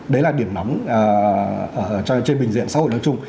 đấy là điểm nóng trên bình diện xã hội lớn trung